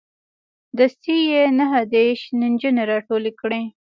دستې یې نه دېرش نجونې راټولې کړې.